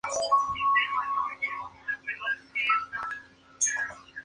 La banda sonora oficial del juego fue producida por Hybrid.